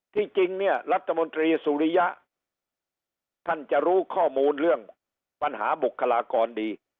จริงเนี่ยรัฐมนตรีสุริยะท่านจะรู้ข้อมูลเรื่องปัญหาบุคลากรดี